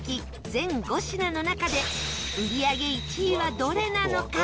全５品の中で売り上げ１位はどれなのか？